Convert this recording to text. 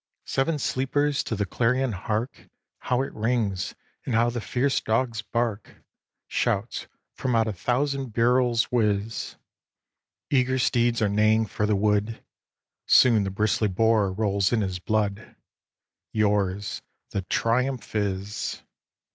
Seven sleepers! to the clarion hark! How it rings, and how the fierce dogs bark! Shouts from out a thousand barrels whizz; Eager steeds are neighing for the wood, Soon the bristly boar rolls in his blood, Yours the triumph is!